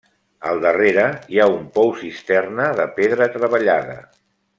Al darrere hi ha un pou-cisterna de pedra treballada.